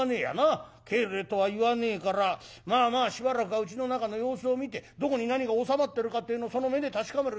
帰れとは言わねえからまあまあしばらくはうちの中の様子を見てどこに何が収まってるかっていうのをその目で確かめるがいい。